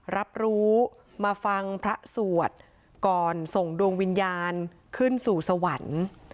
รับรู้มาฟังพระสวดก่อนส่งดวงวิญญาณขึ้นสู่สวรรค์